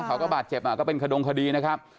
เขาก็บาดเจ็บก็เป็นขดงคดีนะครับ